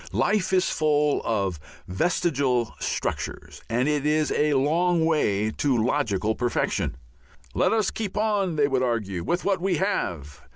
Life is full of vestigial structures, and it is a long way to logical perfection. Let us keep on, they would argue, with what we have.